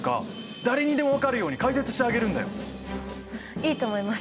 いいと思います！